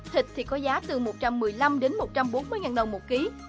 thịt thì có giá từ một trăm một mươi năm đến một trăm bốn mươi ngàn đồng một ký